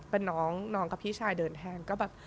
เป็นน้องน้องกับพี่ชายเดินแทงก็แบบ